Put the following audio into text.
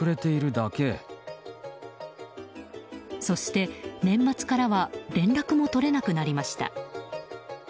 そして、年末からは連絡も取れなくなりました。